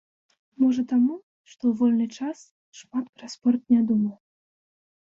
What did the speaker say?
Можа, таму, што ў вольны час шмат пра спорт не думаю.